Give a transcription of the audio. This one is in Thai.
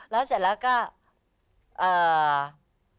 แล้วเสร็จแล้ว